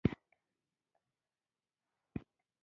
ایا مصنوعي لاس لرئ؟